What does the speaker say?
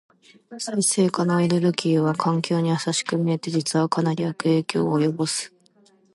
再生可能エネルギーは環境に優しく見えて、実はかなり悪影響を及ぼす。